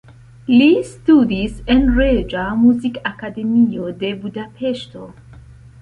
Li studis en Reĝa Muzikakademio de Budapeŝto.